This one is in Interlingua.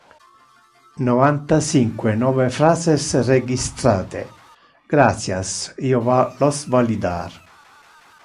Novanta-cinque nove phrases registrate, gratias! Io va los validar.